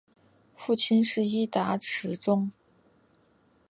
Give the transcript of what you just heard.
父亲是伊达持宗。